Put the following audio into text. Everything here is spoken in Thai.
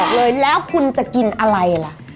เลยแล้วคุณจะกินอะไรล่ะ